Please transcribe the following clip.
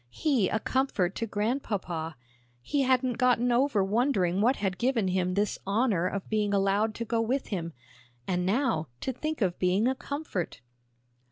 He a comfort to Grandpapa! He hadn't gotten over wondering what had given him this honor of being allowed to go with him, and now, to think of being a comfort!